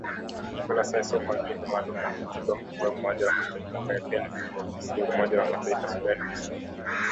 Nicholas Haysom mjumbe maalum wa katibu mkuu wa Umoja wa Mataifa, ambae pia ni mkuu wa ofisi ya Umoja wa Mataifa Sudan Kusini